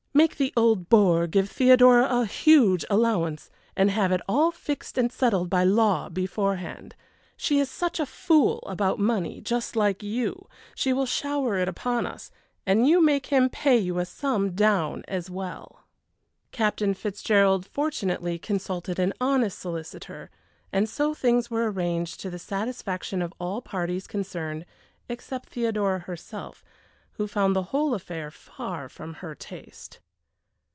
"Make the old bore give Theodora a huge allowance, and have it all fixed and settled by law beforehand. She is such a fool about money just like you she will shower it upon us; and you make him pay you a sum down as well." Captain Fitzgerald fortunately consulted an honest solicitor, and so things were arranged to the satisfaction of all parties concerned except Theodora herself, who found the whole affair far from her taste.